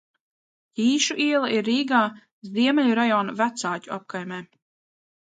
Ķīšu iela ir iela Rīgā, Ziemeļu rajona Vecāķu apkaimē.